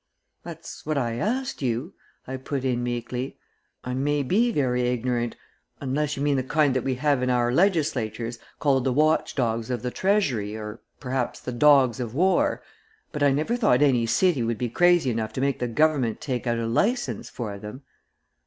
"That's what I asked you," I put in, meekly. "I may be very ignorant, unless you mean the kind that we have in our legislatures, called the watch dogs of the treasury, or, perhaps, the dogs of war. But I never thought any city would be crazy enough to make the government take out a license for them."